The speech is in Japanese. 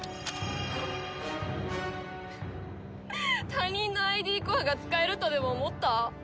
他人のＩＤコアが使えるとでも思った？